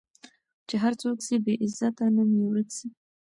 چي هر څوک سي بې عزته نوم یې ورک سي